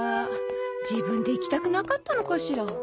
自分で行きたくなかったのかしら。